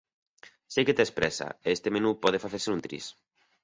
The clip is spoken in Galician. Sei que tes présa e este menú pode facerse nun tris.